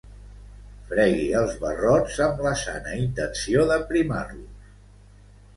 Fregui els barrots amb la sana intenció d'aprimar-los.